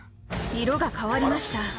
色が変わりました